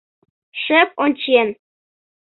Шып ончен